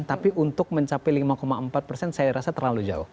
tapi untuk mencapai lima empat persen saya rasa terlalu jauh